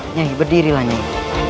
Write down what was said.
nyai berdirilah nyai